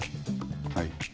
はい。